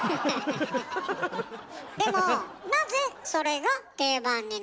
でもなぜそれが定番になったの？